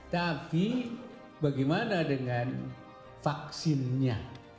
tapi bagaimana dengan vaksinnya